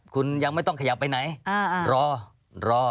คุณยังไม่ต้องขยับไปไหนรอรอ